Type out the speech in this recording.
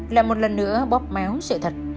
là một lần nữa bóp máu sự thật